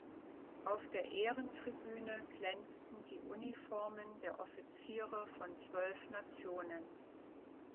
Auf der Ehrentribüne glänzten die Uniformen der Offiziere von zwölf Nationen.